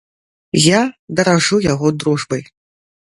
Я даражу яго дружбай.